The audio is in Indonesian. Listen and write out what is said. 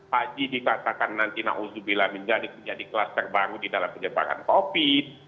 haji dikasahkan nanti na'udzubillah menjadi kluster baru di dalam penyebaran covid